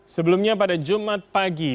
sebelumnya pada jumat pagi